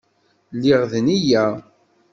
Lliɣ d nneyya.